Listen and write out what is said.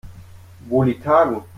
Wo liegt Hagen?